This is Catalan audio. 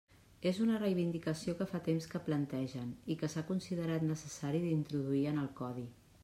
És una reivindicació que fa temps que plantegen i que s'ha considerat necessari d'introduir en el Codi.